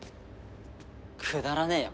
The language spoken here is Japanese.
くだらねえよ